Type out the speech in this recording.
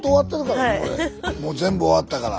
もう全部終わったから。